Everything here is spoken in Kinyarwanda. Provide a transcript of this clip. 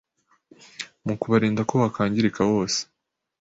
mu kubarinda ko wangirika wose.